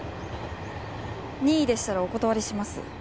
任意でしたらお断りします。